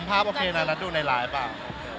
ภาพโอเคนะน่าจะดูในไลฟ์ป่าว